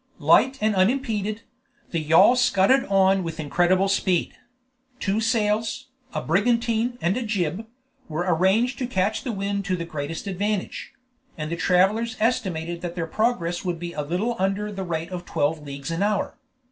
Light and unimpeded, the yawl scudded on with incredible speed. Two sails, a brigantine and a jib, were arranged to catch the wind to the greatest advantage, and the travelers estimated that their progress would be little under the rate of twelve leagues an hour.